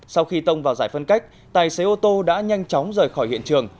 sau khi tông vào giải phân cách tài xế ô tô đã nhanh chóng rời khỏi hiện trường